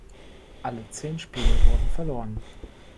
Alle zehn Spiele wurden verloren.